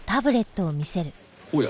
おや。